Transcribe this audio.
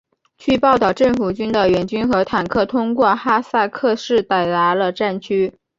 据报道政府军的援兵和坦克通过哈塞克市抵达了战区。